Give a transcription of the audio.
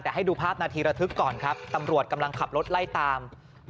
แต่ให้ดูภาพนาทีระทึกก่อนครับตำรวจกำลังขับรถไล่ตาม